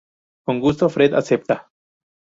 Con gusto, Fred acepta.